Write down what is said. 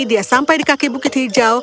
dia sampai di kaki bukit hijau